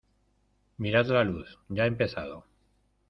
mirad la luz, ya ha empezado.